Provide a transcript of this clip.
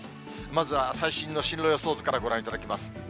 まずは最新の進路予想図からご覧いただきます。